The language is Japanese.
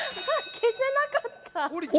消せなかった。